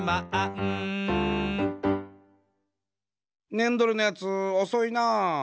ねんどれのやつおそいなあ。